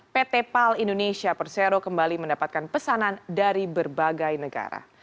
pt pal indonesia persero kembali mendapatkan pesanan dari berbagai negara